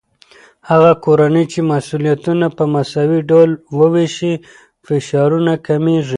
هغه کورنۍ چې مسؤليتونه په مساوي ډول وويشي، فشارونه کمېږي.